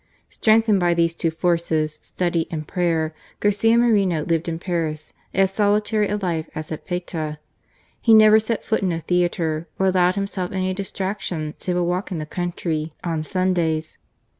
Strengthened by these two forces, study and prayer, Garcia Moreno lived in Paris as solitary a life as at Payta. He never set foot in a theatre, or allowed himself any distraction save a walk in the country on Sundays.